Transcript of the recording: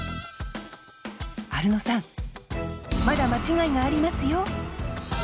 アルノさんまだ間違いがありますよ！